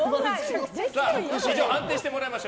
判定してもらいましょう。